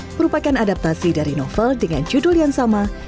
merupakan adaptasi dari novel dengan judul yang sama